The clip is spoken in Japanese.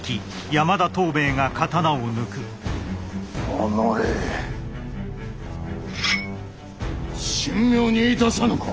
おのれ神妙にいたさぬか！